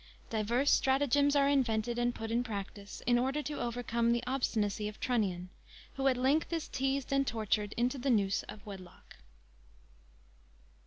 Divers Stratagems are invented and put in practice, in order to overcome the obstinacy of Trunnion, who, at length, is teased and tortured into the Noose of Wedlock.